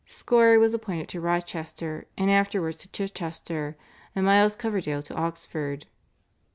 Scory was appointed to Rochester and afterwards to Chichester, and Miles Coverdale to Oxford.